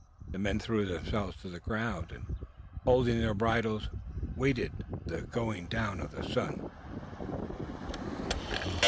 The men threw themselves to the ground, and, holding their bridles, waited the going down of the sun.